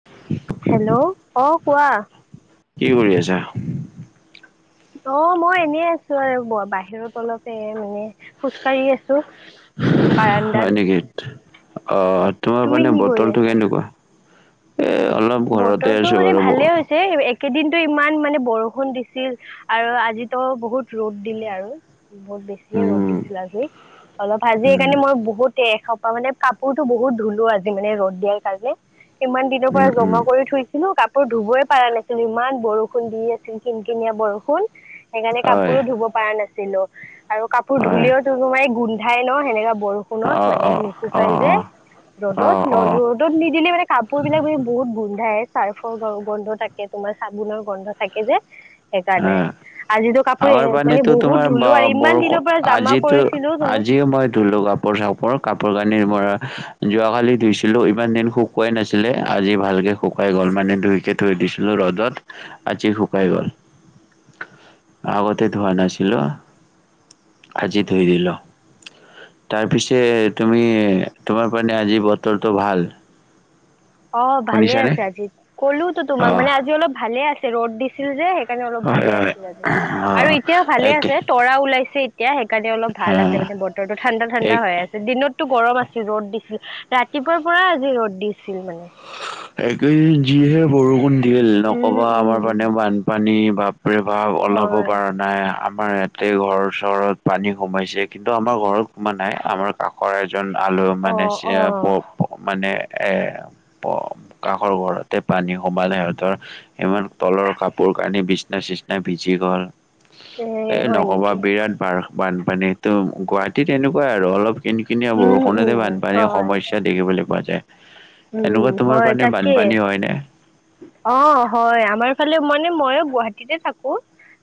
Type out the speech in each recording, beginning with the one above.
[unintelligible] Hello. অ', কোৱা। কি কৰি আছা? অ', মই এনেই আছো আৰু বাহিৰত অলপ এ, মানে খোজ কাঢ়ি আছো। বাৰাণ্ডাত হয় নেকি অ', তোমাৰ তুমি পিনে কি কৰি বতৰটো আছা কেনেকুৱা? এ, অলপ ঘৰতে আছো বাৰু। [unintelligible] [unintelligible] কেইদিনটো ইমান মানে বৰষুণ দিছিল আৰু আজি তো বহুত ৰ'দ দিলে আৰু। বহুত বেছিয়ে ৰ'দ উম, দিছিল আজি। অলপ আজি উম, এইকাৰণে মই বহুত তে এখোপা মানে কাপোৰতো বহুত ধুলো আজি, মানে ৰ'দ দিয়াৰ কাৰণে ইমান দিন পৰা উম, উম, জমা কৰি থৈ ছিলো, কাপোৰ ধুবই পৰা নাছিলো। ইমান বৰষুণ দি আছিল, কিন কিনীয়া বৰষুণ। হেইকাৰণে হয়, কাপোৰো ধুব পৰা নাছিলো। আৰু কাপোৰ হয়। ধুলেও তো, তোমাৰ এই গোন্ধাই ন', এনেকা বৰষুণত অ', মানে অ', অ', নুশুকাই যে। অ', অ', ৰ'দত অ', ৰ'দত নিদিলে মানে কাপোৰ বিলাক বহুত গোন্ধাই। চাৰ্ফৰ গোন্ধ থাকে, তোমাৰ চাবোনৰ গন্ধ থাকে যে। সেইকাৰণে হে। আজিতো কাপ আমাৰ পানী টো তোমাৰ বাহ বৰষুণ পৰা জমা আজিতো। কৰিছিলোঁ তোমাক আজিয়ে মই ধূই কা। কাপৰ চাপৰ কাপোৰ কানি যোৱাকালি ধুইছিলো, ইমান দিন শুকোৱাই নাছিলে, আজি ভালকে। শুকাই গ'ল, মানে ধুইকে থৈ দিছিলো ৰ'দত, আজি শুকাই গ'ল। আগতে ধোৱা নাছিলো, আজি ধুই দিলো। তাৰপিছে তুমি তোমাৰ আজি বতৰটো ভাল। অ, ভালে শুনিছানে? আছে। আজি কলোতো তোমাক, অ', মানে আজি অলপ ভালে আছে‌ ৰ'দ দিছিল যে। সেইকাৰণে অলপ হয় ভালে হয়। আছিল আজি। আৰু অ', এতিয়াও ভালে একে আছে, তৰা ওলাইছে এতিয়া। সেইকাৰণে অলপ ভাল আছে অ', মানে বত। বতৰটো ঠাণ্ডা ঠাণ্ডা এক হৈ আছে। দিনতটো গৰম আছিল, ৰ'দ দিছিল। ৰাতিপুৱাৰ পৰা আজি ৰ'দ দিছে। ছিল মানে। এইকেইদিন যিহে বৰষুণ দিল, উম নকবা। আমাৰ উম বানপানী বাপ। বাপৰে বাপ, ওলাব হয় পৰা নাই আম। আমাৰ ইয়াতে ঘৰ ওচৰত পানী সোমাইছে, কিন্তু আমাৰ ঘৰত সোমোৱা নাই আমাৰ। কাষৰ এজন আলু মানে অ' ছিয়া প অ' প মানে এ প। কাষৰ ঘৰতে পানী সোমালে, সিহঁতৰ। ইমান তলৰ কাপোৰ-কানি, বিচনা-চিচনা ভিজি গ'ল। এ, এই হয় নকবা নেকি বিৰাট। পাস বানপানীতো গুৱাহাটীত এনেকুৱাই, আৰু অলপ কিনি-কিনিয়া আৰু উম বৰষুণতে উম বানপানীৰ হয় সমস্যা। দেখিবলৈ পোৱা যায় এনেকুৱা উম তোমাৰ। হয়, পানে তাকে। বানপানী হয় নে? অ', হয়, আমাৰ ফালেও মানে মইও গুৱাহাটীতে থাকোঁ।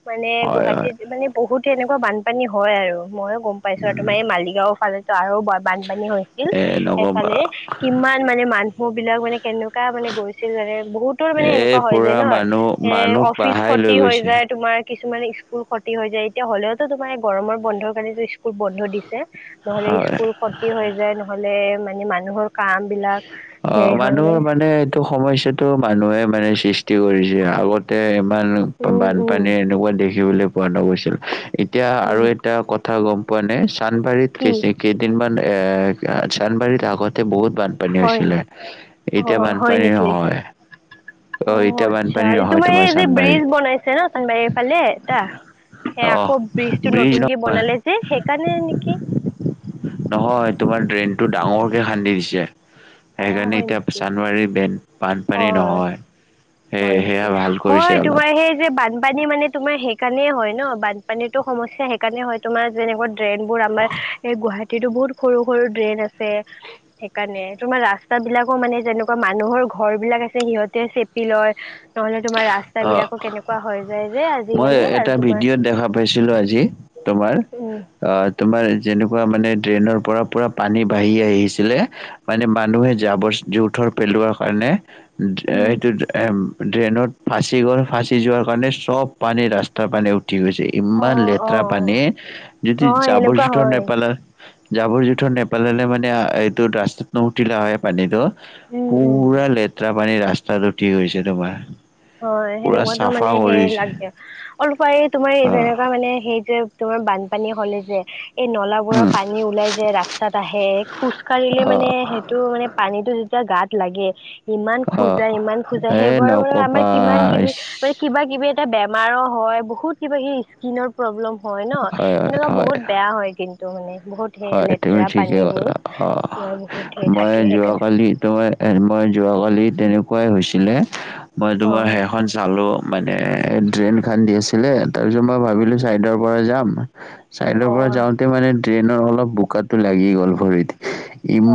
মানে হয় হয় গুৱাহাটীত বহুত এনেকুৱা বানপানী হয় আৰু মইও গম। পাইছো, আৰু উম তোমাৰ এই মালিগাঁওৰ ফালেটো আৰু বানপানী হৈছিল এ নকবা। সেইফালে কিমান। মানে মানুহ বিলাক কেনেকুৱা মানে গৈছিল, বহুতৰ মানে এনেকুৱা এ হয় যে পুৰা ন'। মানুহ এ, মানুহক অফিচ বাহাই লৈ খতি হৈ গৈছে যায় তোমাৰ। কিছুমানে স্কুল খতি হৈ যায়। এতিয়া হ'লেওতো তোমাৰ গৰমৰ বন্ধৰ কাৰণেটো স্কুল বন্ধ দিছে। নহলে হয়। স্কুল ক্ষতি হৈ যায় নহ'লে মানে মানুহৰ কাম। বিলাক সেয় হয় নে। টো সমস্যাটো মানুহে মানে সৃষ্টি কৰিছে আগতে। বান উম উম বানপানীৰ এনেকুৱা দেখিবলৈ পোৱা নগৈছিল এতিয়া আৰু উম এটা কথ। থা গম পোৱা নে চান্দমাৰী কি কেই কেইদিনমান চান্দমাৰীত আগতে বহুত ভাল। বানপানী হয় নি হৈছিলে অ এতিয়া হয় বানপানী নেকি নহয়। অ এতিয়া আচ্ছা বানপানী নহয় তোমাৰ এই যে চানমাৰীত। ব্ৰিজ বনাইছে ন চান্দমাৰীৰ ফালে এটা। সে অ, আকৌ ব্ৰীজটো ব্ৰিজ নতুনকে নহয়, বনালে যে সেইকাৰণে নেকি। নহয় তোমাৰ ড্ৰেইনতটো ডাঙৰকে খান্দি দিছে। অ সেইকাৰণে হয় এতিয়া নেকি চানমাৰীৰ বেণ্ড। অ হয় সেয়া নেকি ভাল কৰিছে হয় অলপ। তোমাৰ সেই যে বানপানী মানে। তোমাৰ সেইকাৰণে হয় ন বানপানীতো সমস্যা সেইকাৰণে হয় তোমাৰ যেনেকুৱা। ড্ৰেইনবোৰ আমাৰ এই গুৱাহাটীতো বহুত সৰু সৰু ড্ৰেইন আছে। সেইকাৰণে তোমাৰ ৰাস্তা বিলাকো মানে যেনেকুৱা মানুহৰ ঘ। ঘৰ বিলাক আছে সিহঁতে চেপি লয় নহ'লে। তোমাৰ ৰাস্তা অ, বিলাকো কেনেকুৱা হৈ যায় যে মই আজিকালি এটা আৰু তোমাৰ। ভিডিঅ'ত দেখা তোমাৰ। উম। অ তোমাৰ যেনেকুৱা মানে ড্ৰেইনৰ পৰা পূৰা পানী বাঢ়ি আহিছিলে। মানে মানুহে জাবৰ- জোথৰ পেলোৱাৰ কাৰণে। উম, দেইটো এম ড্ৰেইনত- ফাঁচি গল ফাঁচি যোৱাৰ কাৰণে চব পানী ৰাস্তাৰ পানী উঠি গৈছে। ইমান অ', লেতেৰা অ', পানী যদি হয় জাবৰ এনেকুৱা জোথৰ হয় নপেলাই। জাবৰ জোথৰ নেপেলালে মানে এইটো ৰাস্তাত নুঠিলে হয়ঁ পানীটো। উম, উম। পুৰা লেতেৰা পানী ৰাস্তাটো উঠি গৈছে তোমাৰ। হয়ঁ পুৰা সেনেকুৱাতো চাফা মানে সে কৰিছে লাগ অলপ এই তোমাৰ অ যেনেকুৱা মানে সেই যে- তোমাৰ বানপানীয়ে হ'লে যে- এই নলাাবোৰৰ উম, পানী ওলাই যে ৰাস্তাত আহে খোজ কাঢ়িলে মানে অ সেইটো মানে পানীটো যেতিয়া গাত থাকে। লাগে ইমান অ', খুঁজাই ইমান খুঁজাই এই সেইবোৰ মান আমাৰ নক'বা কিমান কিবি ইছ। মানে কিবা কিবি এটা বেমাৰো হয়ঁ বহুত কিবা সি স্কিনৰ প্ৰব্লেম হয়ঁ ন হয়, হয়, সনেকুৱা বহুত। বেয়া হয় কিন্তু মানে বহুত। সেই হয়ঁ তুমি লেতেৰা ঠিকে পানীবোৰ কলা অ তোমাৰ বহুত সেই মই থাকে সেইকাৰণে যোৱাকালি তোমাৰ- মই যোৱাকালি তেনেকুৱাই হৈছিলে মই অ তোমাৰ হেখন চালোঁ। মানে ড্ৰেইন খান্দি আছিলে তাৰপিছত মই ভাবিলো চাইডৰ পৰা যাম। চাইডৰ অ পৰা যাওঁতে মানে ট্ৰেইনৰ অলপ বোকাটো লাগি গ'ল ভৰিত।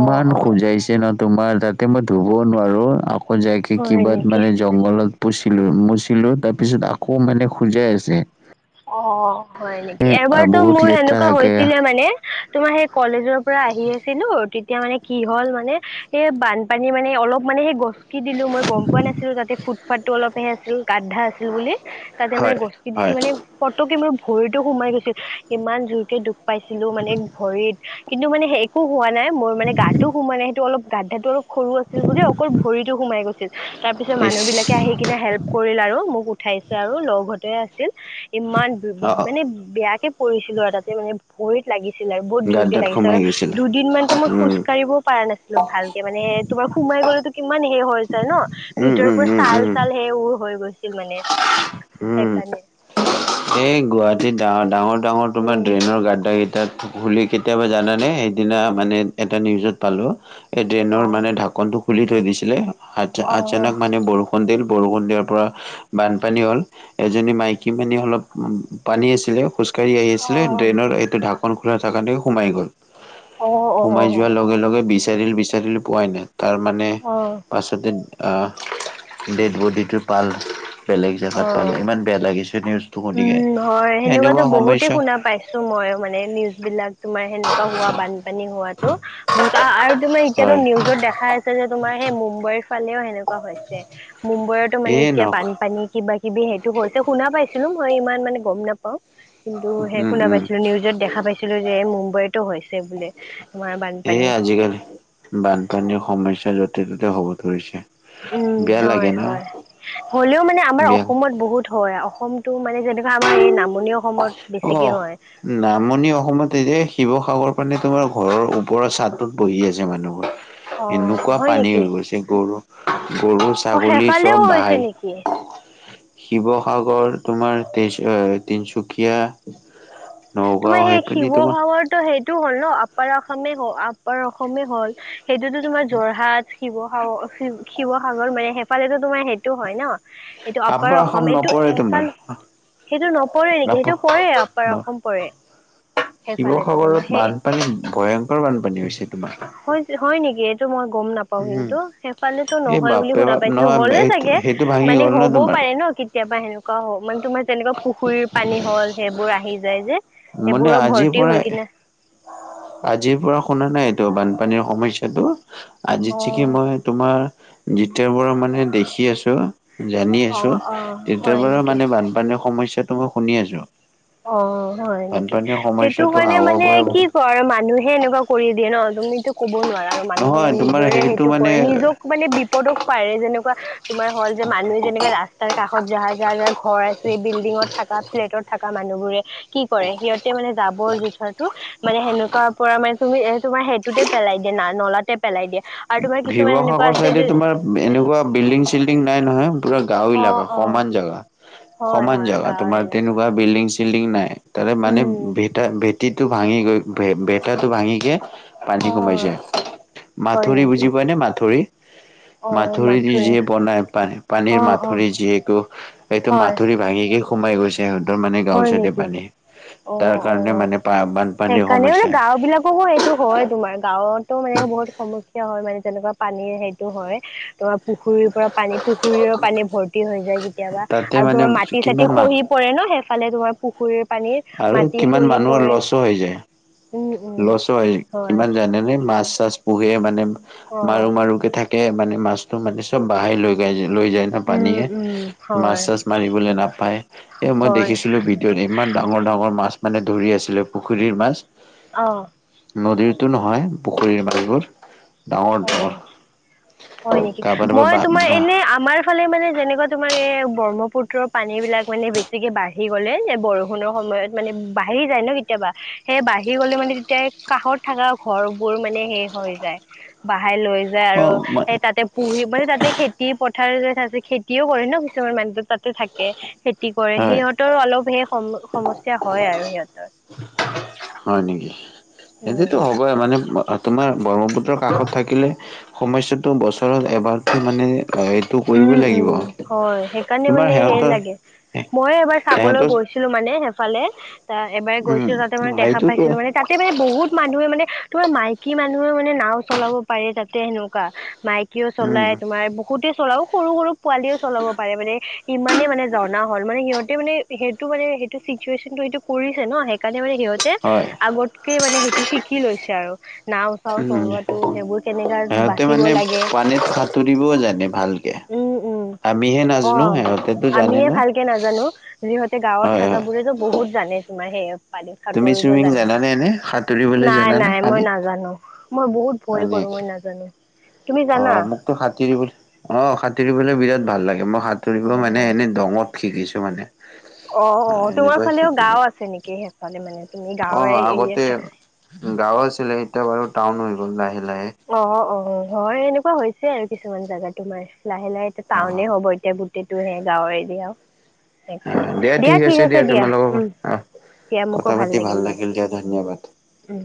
অ অ খোজাইছে ন তোমাৰ তাতে মই ধুবও নোৱাৰো আকৌ যাইকে হয় কিবা নেকি মানে- জংঘলত পুচিলো মুচিলো তাৰপিছত আকৌ মানে খোজাই আছে। অ হয়ঁ নেকি এ এবাৰতো বহুত মোৰ লেতেৰা সেনেকুৱা থাকে। হৈছিলে মানে তোমাৰ সেই কলেজৰ- পৰা আহি আছিলো তেতিয়া মানে কি হ'ল মানে এই বানপানী মানে অলপ মানে সেই গছবোৰ কি দিলো মই গম পোৱা নাছিলো তাতে ফুটপাথটো অলপহে আছিল গধা আছিল বুলি। তাতে মানে হয় গস্তি হয় দিছোঁ মানে পতকে মোৰ ভৰিতো সোমাই গৈছিল ইমান জোৰকে দুখ- পাইছিলো মানে ভৰিত কিন্তু মানে সেই একো হোৱা নাই মোৰ মানে গাতো সো মানে সেইটো অলপ। গা্ধাটো অলপ সৰু আছিল বুলি অকল ভৰিতো সোমাই গৈছিল তাৰপিছত ইচ মানুহ বিলাকে আহি- কিনে হেল্প কৰিল আৰু মোক উঠাইছে আৰু লগ হতে আছিল ইমান। উ অ অ মানে বেয়াকে পৰিছিলোঁ আৰু তাতে মানে ভৰিত। লাগিছিল আৰু বহুত যোৰকে গাতডাত লাগিছিল সোমাই আৰু গৈছিলে দুদিন মানতো মই খোজ উম কঢ়িবও পৰা নাছিলো। অলপ ভালেকে মানে তোমাৰ সোমাই গ'লেতো কিমান হে হৈ যায় ন উম ভিতৰৰ উম পৰা উম চাল উম চাল সেই বোৰ হৈ গৈছিল মানে। উম সেইকাৰণে। এই গুৱাহাটীত ডাৰ ডাঙৰ ডাঙৰ তোমাৰ উম ড্ৰেইনৰ গাদড্ডা কেইটা- তাত খুলি কেতিয়াবা জানানে সেইদিনা মানে এটা নিউজত পালোঁ। সেই ডেনৰ অ ন মানে ঢাকনটো খুলি থৈ দিছিলে আচা অ আছানক মানে বৰষুণ- কুন্দল বৰষুণ দিয়াৰ পৰা বানপানী হ'ল এজনী মাইকী মানু্হ অলপ- পানী আছিলে খোজ কাঢ়ি আহি অ আছিলে অ ড্ৰেইনৰ এইটো ঢাকন খোলা থকাকে সোমাই গ'ল- অঁ অঁ! সোমাই যোৱাৰ লগে লগে বিচাৰিল বিচাৰিলো পোৱাই নাই তাৰ মানে অ অ পাছতে- আহ ডেড বডিটো পাল বেলেগ জেগাত পালে ইমান বেয়া লাগিছে নিউজ- উমঁ হয় সেনেকুৱাতো বহুতে শুনা- পাইছোঁ মই মানে নিউজ বিলাক তোমাৰ সেনেকুৱা হোৱা বানপানী হোৱাতো বহুত অ আৰু তোমাৰ এতিয়াতো হয় নিউজত দেখাই আছে যে তোমাৰ সেই মুম্বাইৰ ফালেও সেনেকা- হেনেকুৱা হৈছে মুম্বাইতো মানে এই এতিয়া নক বানপানীত। কিবা কিবি সেইটো হৈছে শুনা পাইছিলোঁ মই ইমান মানে গম নাপাওঁ। কিন্তু সেই উম শুনা উম পাইছিলো নিউজত দেখা পাইছিলো যে এই মুম্বাইতো হৈছে বুলে। এইে আজিকালি বানপানীৰ সমস্যা য'তে ত'তে হ'ব ধৰিছে। উমঁ বেয়া হঁয় লাগে ন হয়ঁ হ'লেও মানে আমাৰ বেয়া অসমত বহুত হয়ঁ অসম- টো মানে যেনেকা আমাৰ এই নামনি অসমত বেছিকে অহ হয়। নামনি অসমত এই যে শিৱসাগৰ পানে তোমাৰ ঘৰৰ ওপৰৰ চাটত বহি আছে মানুহবোৰৰ। অ এনেকুৱা হয় পানী নেকি হৈ গৈছে গৰু গৰু। অ ছাগলী সেইফালেও চব হৈছে ভাল। নেকি? শিৱসাগৰ তোমাৰ তিন তিনিচুকীয়া। তোমাৰ সেই শিৱসাগৰ। ত' সেইটো হ'ল ন আপাৰ অসমে হ আপাৰ অসমেই হ'ল সেইটোতো তোমাৰ যোৰহাট শিৱসাগৰ শিৱসাগৰ মানে সেফালে তোমাৰ সেইটো হয় ন। এইটো আপাৰ অসম অসমে টো নপৰে তোমাৰ এফাল। সেইটো নপৰে আপ সেইটো পৰে আপাৰ ন অসম পৰে। সেইফালেতো তোমাৰ শিৱসাগৰত সেই বানপানী ভয়ংকৰ বানপানী হৈছে তোমাৰ। হয় নেকি এইটো মই গম নাপ। পাওঁ উম কিন্তু সেইফালে এই নহয় বুলি বাপে শুনা বাপ পাইছিলো নহয় হ'লে এইটো চাগে সেইটো ভাঙি মানে গ'ল ন হ'বও তোমাৰ পাৰে ন কেতিয়াবা সেনেকুৱা। হ মানে তোমাৰ যেনেকুৱা পুখুৰীৰ পানী হ'ল সেইবোৰ আহি যায় যে। মানে সেইবোৰৰ আজি ভৰ্তি হৈ পৰাই। কিনে আজিৰ পৰা শুনা নাই এইটো বানপানীৰ সমস্যাটো আজি চিকে অ', মই। তোমাৰ যেতিয়া পৰা মানে। দেখি আছোঁ জানি আছোঁ অ', অ', তেতিয়া হয় পৰা নেকি? মানে বানপানীৰ সমস্যা। ত' মই শুনি আছোঁ। অ' হয় নেকি সেইটো সমস্যাটো কাৰণে মানে আগৰ পৰাই কি কয় আৰু মানুহে এনেকুৱা। কৰি দিয়ে ন তুমিতো ক'ব নোৱাৰা আৰু মানুহে নহয় তোমাৰ নিজৰে সেইটো মানে কৰে নিজক মানে বিপদক। পাৰে যেনেকুৱা তোমাৰ হ'ল যে মানুহে যেনেকে ৰাস্তাৰ কাষ। ঘত যাৰ যাৰ ঘৰ আছে বিল্ডিঙত থকা ফ্লেটত থকা মানুহবোৰে। কি কৰে সিহঁতে মানে জাবৰ -জোথৰটো মানে সেনেকুৱা পৰা মানে তুমি এ তোমাৰ সেইটোতে। পেলাই দিয়ে নলাতে পেলাই দিয়ে আৰু তোমাৰ কিছুমান শিৱসাগৰ এনেুকোৱা আছে চাইডে যে। তোমাৰ এনেকুৱা বিল্ডিং চিল্ডিং নাই নহয় পুৰা গাঁও এলাকা অ', অ', সমান জেগা। হয় সমান হয় জেগা গাঁৱৰ তোমাৰ এলেকা তেনেকুৱা বিল্ডিং-চিল। বিল্ডিং নাই ত' মানে উম। ভে ভেটিটো ভাঙি গৈ ভেটাটো ভাঙিকে। পানী অ কমাইছে হয় মাথোৰি নেকি বুজি পোৱা নে মাথোৰি। অ মাথোৰি দি মাথোৱে যিয়ে বনাই পান পানীৰ অ অ মাথোৰি যিটো এইটো হয় মাথোৰি। ভাঙিকে সোমাই গৈছে আ সিহঁতৰ মানে হয় গাঁওৰ ছাইতে নেকি পানী। অ তাৰ অ কাৰণে মানে পা বানপানীৰ সেইকাৰণে মানে সমস্যা গাওঁ বিলাকো এ। টো হয় তোমাৰ গাঁৱতো মানে বহুত সমস্যা হয় মানে যেনেকুৱা পানীৰ সেইটো হয় তোমাৰ পুখুৰী। পৰা পানী পুখুৰীৰ পানী ভৰ্তি হৈ যায় কেতিয়াবা তাতে আৰু মানে তোমাৰ মাটি চাতি কিমান মানুহ খহি পৰে ন সেই। ফালে তোমাৰ পুখুৰীৰ। পানী আৰু মাটি কিমান খহি মানুহৰ পৰে ল চ হৈ যায়। উম উম ল ছ ই হয় কিমান জানে নে মাছ চাছ। পোহে মানে অ মাৰো মাৰো কে থাকে মানে মাছটো মানে চব বাহাই লৈ। গাই যে লৈ যায় ন উম পানীয়ে উম মাছ হয় চাছ মাৰিবলৈ নাপায় এ মই হয় দেখিছিলো বি। ইমান ডাঙৰ ডাঙৰ মাছ মানে ধৰি আছিলে পুখুৰীৰ মাছ। অ। নদীৰতো নহয় পুখুৰীৰ মাছবোৰ। ডাঙৰ অ ডাঙৰ হয় নেকি কাৰোবাৰ মই তোমাৰ এনে কাৰোবাৰ আমাৰ। ফালে মানে যেনেকুৱা তোমাৰ এই ব্ৰহ্মপুত্ৰৰ পানীবিলাক মানে বেছিকৈ বাঢ়ি গ'লে যে বৰষুণৰ সময়ত। মানে বাঢ়ি যায় ন কেতিয়াবা সেই বাঢ়ি গ'লে মানে তেতিয়া কাশত থকা ঘৰ বোৰ মানে শেষ হৈ। যায় বাহাই লৈ যায় অ আৰু সেই তাতে। পুহি মানে তাতে খেতি পথাৰযে খেতিও কৰে ন কিছুমান মানুহ তাত। ত থাকে খেতি কৰে হয় সিহঁতৰ অলপ হে সম সমস্যা হয় আৰু সিহঁতৰ। হয় নেকি সেইটো উম, হ'বই মানে। তোমাৰ ব্ৰহ্মপুত্ৰৰ কাষত থাকিলে সমস্যাটো বছৰত এবাৰ মানে হয়। উম উম হয় সেইকাৰণে তোমাৰ মানে হেৰি সিহঁতৰ লাগে মই এবাৰ চাবলৈ সিহঁতৰ গৈছোঁ। ছিলো মানে সেইফালে ত এবাৰে উম গৈছিলোঁ তাতে মানে দেখা সেইটোতো পাইছিলোঁ মানে তাত। মানে বহুত মানুহে মানে তোমাৰ মাইকী মানুহে মানে নাও চলাব পাৰে তাতে সেনেকুৱা মাইকী। কিয় উম চলাই তোমাৰ বহুতে। চলাও সৰু সৰু পোৱালিও চলাব পাৰে মানে ইমানে মানে জনা হ'ল মানে সিহঁতে মানে। সেইটো মানে সেইটো চিতুৱেচনটো সেইটো কৰিছে ন। সেইকাৰণে মানে সিহঁতে হয় আগতকে মানে সেইটো শিকি লৈছে আৰু। নাও চাও উম চলোৱাটো সেইবোৰ কেনেকা সিহঁতে বাচিব মানে লাগে। পানীত সাঁতুৰিবও জানে ভালকে। উম আমিহে অ নাজানো সিহঁতেতো জানে আমিয়ে ন ভালকে নাজানো সিহঁতে গাঁৱত হয় থকা হয় বোৰেতো বহুত। জানে তোমাৰ সেই পানীত তুমি সাঁতুৰিব চুইমিং জানে জানানে এনে সাঁতুৰিবলৈ নাই জানানে নাই মই পানীত নাজানো। মই বহুত ভয় হয় কৰো নেকি মই নাজানো। তুমি অ জানা মোকতো সাঁতুৰিবলৈ অ সাঁতুৰিবলৈ বিৰাত ভাল লাগে মই সাঁতুৰিব অ মানে এনে দঙত। শিকিছোঁ মানে। অ অ তোমাৰ এনেকুৱাই ফালেও শিকিলো গাওঁ আছে নেকি? সেইফালে মানে তুমি অ গাঁৱৰ আগতে এৰিয়াত থাকা। গাঁও আছিলে এতিয়া বাৰু টাউন হৈ গ'ল লাহে লাহে। অ অ হয় এনেকুৱা হৈছে আৰু কিছুমান জেগা তোমাৰ লাহে লাহে এতিয়া অ টাউনে হ'ব এতিয়া। এনেওহে গাঁৱৰে এৰিয়া। অ দিয়া ঠিক আছে দিয়া তোমালোক অ। কথা পাতি ভাল লাগিল দিয়া ধন্যবাদ। উম।